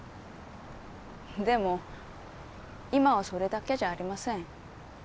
でも今はそれだけじゃありません。